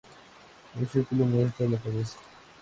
Un círculo muestra la cabeza.